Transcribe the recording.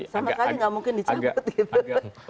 sama sekali nggak mungkin dicabut gitu